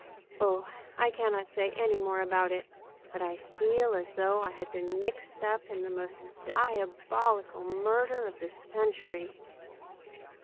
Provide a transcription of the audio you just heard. O, I cannot say any more about it, but I feel as though I had been mixed up in the most diabolical murder of the cen tury."